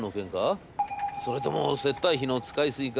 それとも接待費の使いすぎか？